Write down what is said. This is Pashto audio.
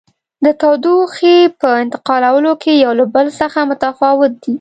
د تودوخې په انتقالولو کې یو له بل څخه متفاوت دي.